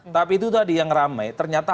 tapi itu tadi yang ramai ternyata